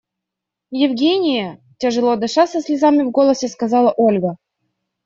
– Евгения! – тяжело дыша, со слезами в голосе сказала Ольга.